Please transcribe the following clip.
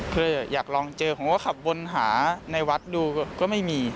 เพื่ออยากลองเจอผมก็ขับวนหาในวัดดูก็ไม่มี